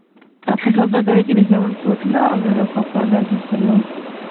په سوداګرۍ کې نښلوونکو واټونو او لارو فوق العاده ارزښت درلوده.